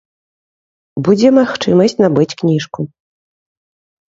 Будзе магчымасць набыць кніжку.